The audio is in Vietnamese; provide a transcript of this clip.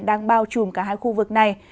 đang bao trùm cả hai khu vực này